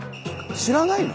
知らないの？